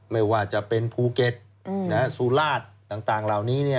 ไม่ว่าจะเป็นภูเก็ตสุราชต่างเหล่านี้